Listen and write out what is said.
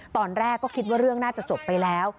ตอนแรกก็คิดว่าเรื่องน่าจะจบไปแล้ว